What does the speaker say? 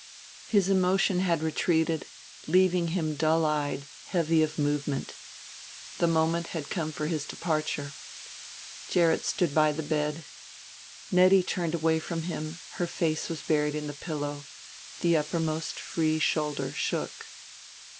His emotion had retreated, leaving him dull eyed, heavy of movement. The moment had come for his departure. Gerrit stood by the bed. Nettie turned away from him, her face was buried in the pillow, the uppermost free shoulder shook.